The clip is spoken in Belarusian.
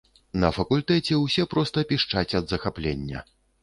На факультэце ўсе проста пішчаць ад захаплення.